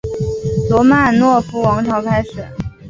罗曼诺夫王朝开始。